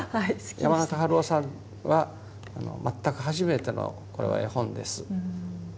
山中春雄さんは全く初めてのこれは絵本です。